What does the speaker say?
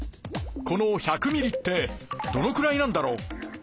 この１００ミリってどのくらいなんだろう？